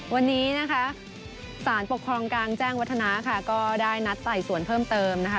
วันนี้นะคะสารปกครองกลางแจ้งวัฒนาค่ะก็ได้นัดไต่สวนเพิ่มเติมนะคะ